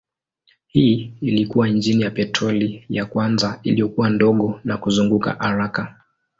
Hii ilikuwa injini ya petroli ya kwanza iliyokuwa ndogo na kuzunguka haraka.